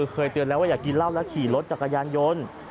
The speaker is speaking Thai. เคยเตือนแล้วว่าอย่ากินเหล้าแล้วขี่รถจักรยานยนต์